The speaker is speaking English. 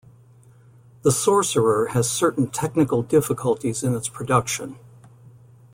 "The Sorcerer" has certain technical difficulties in its production.